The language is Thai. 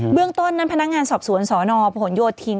เบื้องต้นนั้นพนักงานสอบสวนสนผลโยชน์ทิ้ง